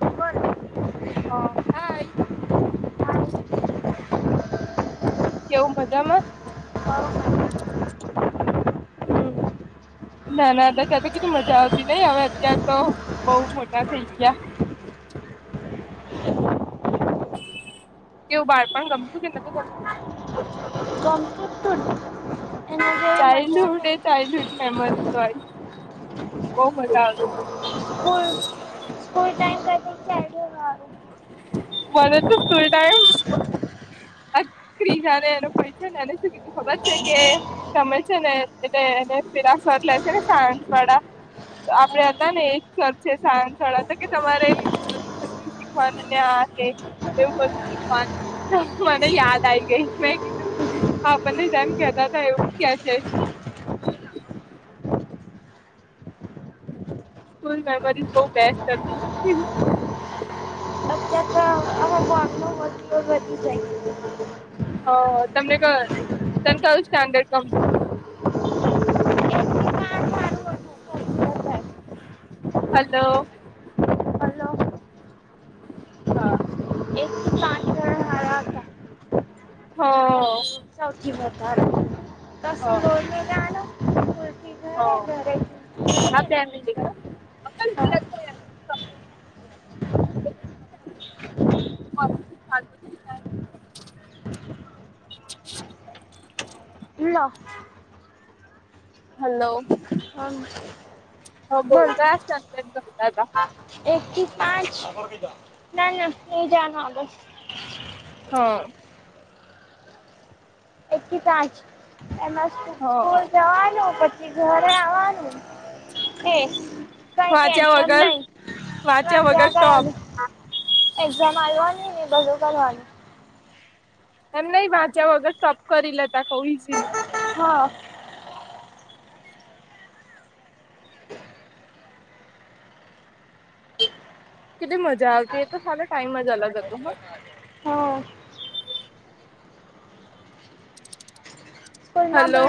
બોલ [unintelligible] હ હાઈ, કેવું મજામાં હમ? નાના હતા ત્યાં તો કેટલી મજા આવતી નઈ હવે અત્યાર તો બહુ મોટા થઈ ગયા, કેવું બાળપણ ગમતું કે નતું ગમતું? ગમતુતુંન એના જેવી મજા ચાઇલ્ડહુડ એ નહી ચાઇલ્ડહુડ મેમોરી તો આય બહુ મજા આવતી, સ્કૂલ સ્કૂલ ટાઈમ [unintelligible] ક્યારેય વારું [unintelligible] ક્રિજા ને એને પૂછ્યું ને એને શું કીધું ખબર છે, કે તમે છે, ને એને પેલા સર લે છે ને સાયન્સ વાળા આપડે હતા એક સાયન્સવાળા હતા કે તમારે શીખવાનું એવું બધું શીખવાનું મને યાદ આવી ગઈ મેં કીધું આપણ એ ટાઈમ કેતા હતા એવું ક્યાં છે? સ્કૂલ મેમોરીઝ બહુ બેસ્ટ કરતી. અત્યાર તો [unintelligible] [unintelligible] હ તમને ક તને કયું સ્ટાન્ડર્ડ ગમ હલો. હા. એકથી પાંચ ધોરણ હારા હતા. હ. સૌથી વધારે કશું હ લોડ નહીં લેવાનો સ્કૂલથી ઘરે હ. ઘરેથી હા ઘરે બે મિનિટ હ અંકલ ઊભી રાખજો અહીંયા [unintelligible] [unintelligible] લો. હલો હા બોલ કયા સ્ટાન્ડર્ડ ગમતા હતા? એકથી પાંચ નાના એજાનો આગ હ. એકથી પાંચ એમાં હા સ્કૂલ જવાનું પછી કે ઘરે આવવાનું કે કંઈ વાંચ્યા ટેન્શન વગર નઈ વાંચ્યા વગર ટોપ [unintelligible] એક્ઝામ આલવાની એ બધું કરવાનું એમ નઈ વાંચ્યા વગર ટોપ કરી લેતા બોવ ઇજિલી હા. કેટલી મજા આવતી એ તો સાલો ટાઈમ જ અલગ હતો હ હ. [inaudible] સ્કૂલમાં ભ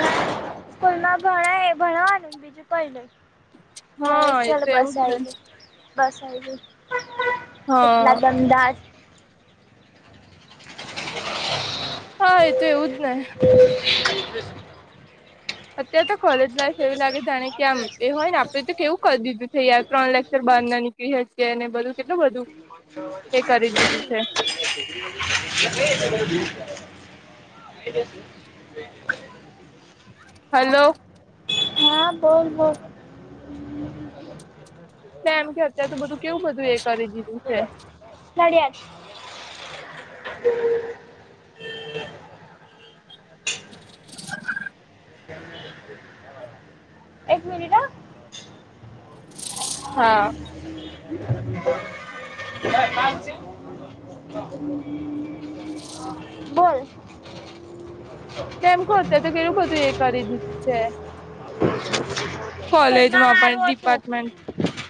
સ્કૂલમાં ભણાએ એ ભણવાનું બીજું કંઈ નય. હા હેડ એ ચલ તો એવું બસ જ ને આઈ ગઈ. બસ આઈ ગઈ હા પેટલાદ અમદાવાદ [inaudible] હા એ તો એવું જ ને. અત્યારે તો કોલેજ લાઈફ એવી લાગે જાણે કે આમ એ હોય ને હવે તો કેવું કરી દીધું છે યાર ત્રણ લેક્ચર બારના નીકળી શકે અને એ બધું કેટલું બધું. એ કરી દીધું છે [inaudible] [inaudible] હલો. હા બોલ બોલ. એમ કે અત્યાર તો બધું કેવું બધું એ કરી દીધું છે. નડિયાદ એક મિનિટ હ. હા. [unintelligible] બોલ. કેમ ખતે તો કેવું બધું એ કરી દીધું છે. હ‌. કોલેજમાં પણ ડિપાર્ટમેન્ટ.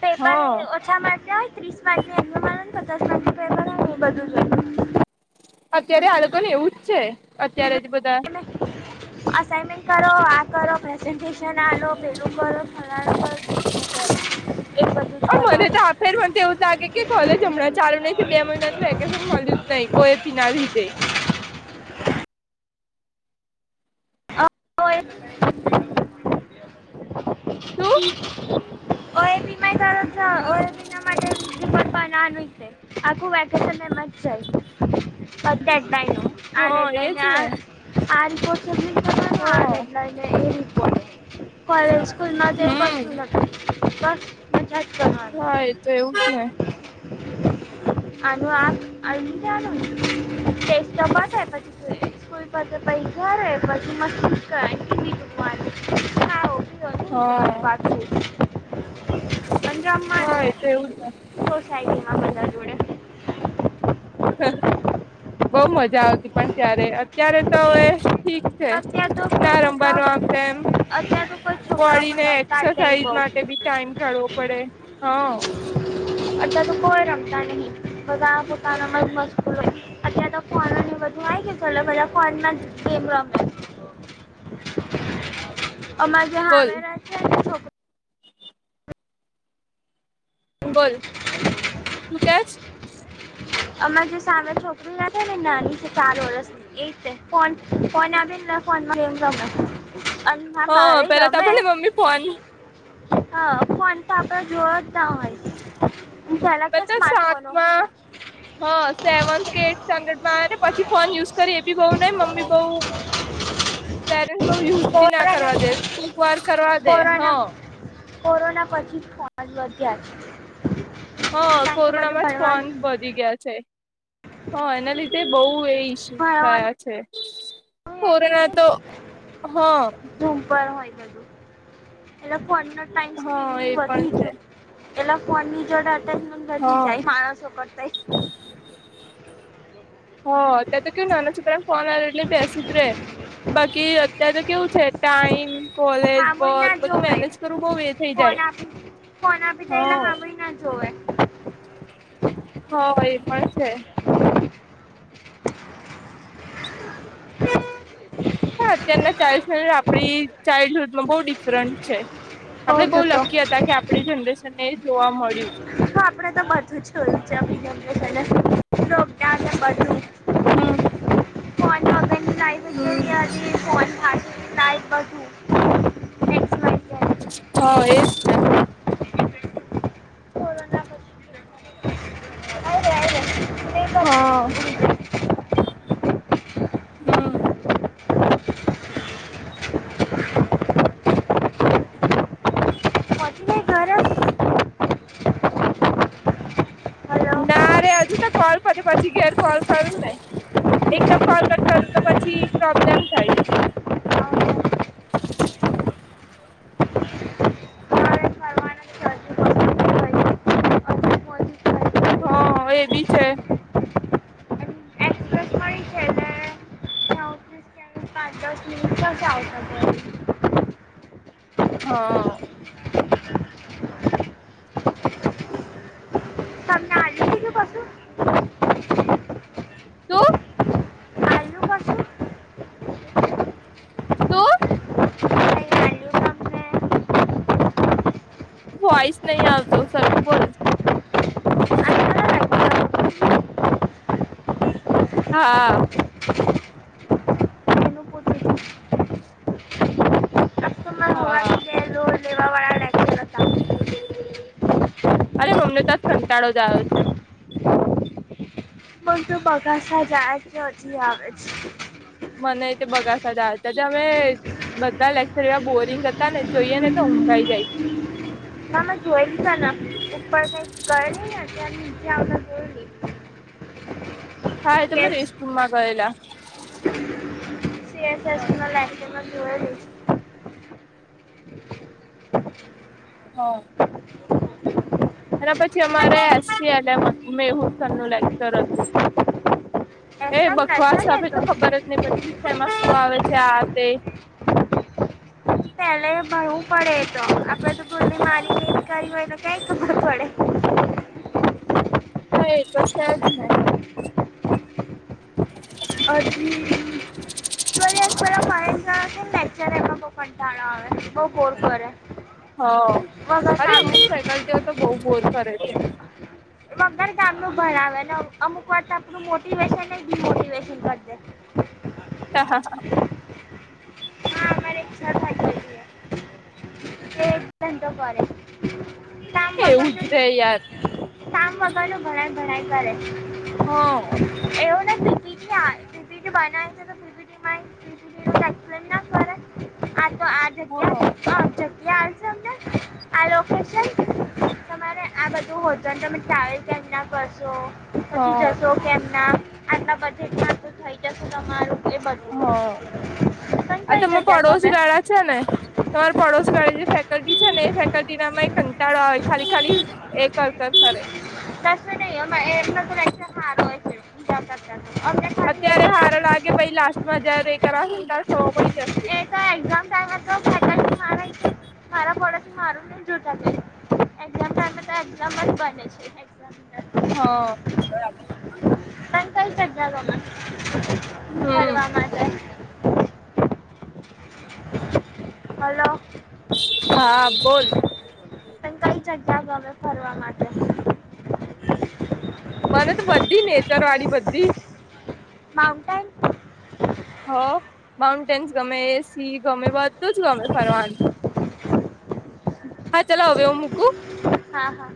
પેપર હા ઓછા માર્ક જાય. ત્રીસ માર્ક ની એક્ઝામ આલોને, પચાસ લાખ રૂપિયા પેપર એ બધું જ હોય. અત્યારે આ લોકો એવું જ છે, અત્યારે જ બધા હ. અસાઈનમેન્ટ કરો આ. કરો પ્રેઝન્ટેશન આલો, પેલું કરો, ફલાણ કરો, ઢીકણુ કરુ. ઓયહ મને તો આ ફેર મને તો એવું લાગે કે, કોલેજ હમણાં ચાલુ નહી થયું, બે મહિનાનું વેકેશન મળ્યું જ નહી, ઓએપી ના લીધે. હોય જ. શું? ઓએપી ના માટે, ના આખું વેકેશન એમા જ સ પતણનો હા એજ આડના ને આ આર પો [unintelligible] હ, એટલે એ કોલેજ-સ્કૂલમાં તો એવું હમ કશું ન. પાચ પાંચાસ તાણ આવી. હ. આ આધ આ ટેસ્ટ તો પત પછી થુ એ. સ્કુલ પતે, પછી ઘરે પહી મસ્તી કરવાની. તો નહિ જવાનું હા પાછું. પંહી હા એ રમમાંવાનું તો એવું જ ને સોસાયટીમાં બધા જોડે. બહુ મજા આવતી, પણ ત્યારે અત્યારે તો હવે. ઠીક છે, અત્યાર તો ના કોઈ છોકરાઓ રમવાનું આમ તેમ અત્યાર તો કોઈ છોકરાઓ પણ બોડીને. રમતા જ નહીં એક્સરસાઇઝ બહુ માટે બી ટાઈમ કાઢવો પડે, હા. અત્યાર તો કોઈ રમતા નહી બધા, પોતાના માં જ મસ્તૂલ હોય. અતં તો ફોન બધું આ ગયા ચલો, બધા ફોનમાં જ ગેમ રમે. અમાર બોલ. સાચા છો. બોલ, તું શું કેય? અમામે જે સામે છોકરી હતા ને, નાની છે ચાર વર્ષ એ છે, ફોન-ફોન આવેલને, ફોન માંમ ત [unintelligible] અને ના બહાર હા પેલા તો રમે. આપણને મમ્મી ફોન હ, ફોન તો આપડે જો. હોયલા, ક્યા બતા સ્માર્ટફોન સાતમાં હતા? હા, સેવન્થ એ સ્ટાન્ડર્ડ માં આવે ને, પછી ફોન યુઝ કરી એ, બી બઉુ ન મમ્મી બઉુ. પેરે બઉ યુથ બી ના કોરોના કરવા દે, ટૂક વાર કરવા દે કોરોના હા. કોરોના પછી ફજ વધ્યા છે. હ, કારણ કે બધું કોરોનામાં જ ફન ભણવાનું વધી ગયા છે. એના લીધે એ ઈ ભણવાનું થયા છે. કોરોના તો હા. ધૂમપર હોય બધું, એટલે ફોનનો ટાઈમ હા સ્ક્રીનિંગ એ પણ વધી છે ગયો. પેલા ફોન ની જોડ અટાજ પણ ઘી હા જાય, માણસો કરતા. હા, ત્યાં તો નાનું એવું ફોન આવે, એટલે બસ બેસી જ રહે. બાકી અત્યારે તો એવું છે કે ટાઈમ, કોલેજ ખામોય અને બધું મેનેજ કરવું બહુ અઘરું થઈ જાય. ફના આપી દીધા હા હ ભાઈ. નહીં જોઈએ. હા એ પણ છે. [unintelligible] હા, અત્યારનું ચાઇલ્ડહુડ અને આપડું ચાઇલ્ડહુડ બહુ ડિફરન્ટ છે. બઉ આપણે બહુ થતો લકી હતા કે આપણી જનરેશનને એ જોવા મળ્યું. આપણે તો બધું જ જોયું છે, આપણી જનરેશનને બધું જ જોવા મળ્યું છે. હા હા બોલો, શું કહેવું છે? હા ફોન પર ના ઝેડ હા, એજ છે. કોરોના પછી અરે અરે ને હા, પછી હમ. પહોંચી ગઈ ઘરે હલો ના રે, હજુ તો કોલ કરી, પછી ઘરે કોલ કરું ને. એકદમ કરેક્ટ કરું તો પછી પ્રોબ્લેમ થાય. મારે ફરવાનું છે હજુ પહોંચી ગઈ. હજુ પહોંચી ગઈ. હા, એ પણ છે. એક્સપ્રેસ મળી છે પાંચ-દસ મિનિટ રહેશે, આવતા... હા. તમને આ ત્રીજું પાસું. શું? નહીં શું? આલ્યું વોઈસ નથી આવતો, સરખું બોલો. તમને હા. આલ્યું એનું પૂછ્યું આજ તો મારે હા. લેવાવાળા છે અરે, મને તો કંટાળો આવી ગયો છે. પણ તું પાછો જાય છે, હજી આવે છે. મને બગાસાં હતાં, અત્યારે તો અમારા બધા લેક્ચર એવા બોરિંગ લાગે છે ને. જોઈએ ને, તો ઊંઘ આવી જાય. મેં જોઈ લીધું ને, કંઈક કરીને નીચે આવતા જો. હા, એ તમે રેસ્ટરૂમમાં ગયેલા. [inaudible] સી એસ એસ માં લઈએ ને જોઈએ. હા. એના પછી અમારે એસ ક્યુ એલ અને હ્યુમન રિસોર્સિસનું લેક્ચર હતું. એ તો એસએમ ના બકવાસ છે ને એ હતું, તો એમાં શું આવે છે એની ખબર જ નહોતી પડતી. [inaudible] પહેલાં ભરવું પડે, તો આપણે તો પહેલી મારી... કર હોય તો કંઈ ખબર પડે. હા, કંઈ જ નહીં. હજી [inaudible] પેલા મહેન્દ્ર છે ને લેક્ચર એમાં બહુ કંટાળો આવે. એ બહુ બોર કરે. હ વગર અરે કામનું અમુક ફેકલ્ટીઓ તો બહુ બોર કરે છે. વગર કામ ભણાવે ને અમુક વાર તો આપણું મોટિવેશન એ ડિમોટિવેશન કર દે. હા હા હા. હા અમારે એક સર એમ તો કરે. કામ એ એવું જ વગરનું રે યાર. કામ વગરનું ભણાય ભણાય કરે. હા ઈ કે બનાય છે તો પીપીટીમાં પીપીટીનું એક્સપ્લેન ના કરે આ તો આ જગ્યા હહ આ જગ્યા આવશે અમને આ લોક છે ન તમે ટ્રાવેલ કેમના કરશો, પછી જશો કેમના. આજના બજેટમાં તો તું થઈ જશે તમારું એ બધ હહ આ તમે જગ્યા ગમે પડોશી વાળા છે ને? તમારે પડોશી વાળે જે ફેકલ્ટી છે ને એ ફેકલ્ટી નામાં કંટાળા આવે. ખાલી ખાલી એ કર કર કરે. કશું નહીં એમાં એમ જ [inaudible] [unintelligible] અમને ખાલી એ અત્યારે જ હારો લાગે પછ લાસ્ટમાં જયારે એ કરશે ને ત્યારે ખબર પડી જશે. એતો એક્ઝામ ટાઈમ તો ફેકલ્ટી માળે છે. મારા પડોશી મારું નહી જોતા છે. એક્ઝામ ટાઈમે તો એક્ઝામ જ બને છે. [inaudible] [inaudible] હા. તને કઈ જગ્યા ગમે હમ. ફરવા માટે હલો. હા બોલ. તને કઈ જગ્યા ગમે ફરવા માટે. મને તો બધી નેચરવાણી બધી માઉન્ટેન હા માઉન્ટેન્સ ગમે, સી ગમે બધું જ ગમે ફરવાનું. હા ચલો હવે હું મુકું? હા હા